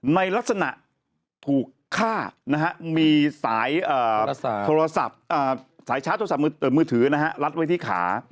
ในลักษณะถูกฆ่ามีสายชาร์จโทรศัพท์มือถือลัดไว้ที่ขา